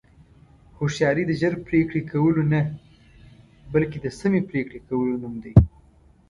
هوښیاري د ژر پرېکړې کولو نه، بلکې د سمې پرېکړې کولو نوم دی.